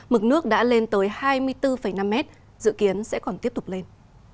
mức đã lên tới hai mươi bốn năm mét dự kiến sẽ còn tiếp tục lên